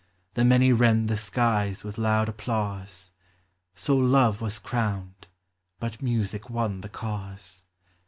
The many rend the skies with loud applause ; So Love was crowned, but Music won the cause.